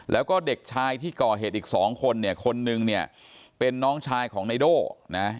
แล้วก็เด็กชายที่ก่อเหตุอีกสองคนเนี่ยคนนึงเนี่ยเป็นน้องชายของนายโด่นะ